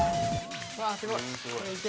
すごい。